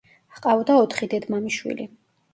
ჰყავდა ოთხი დედმამიშვილი.